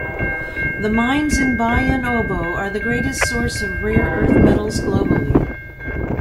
The mines in Bayan Obo are the greatest source of rare-earth metals globally.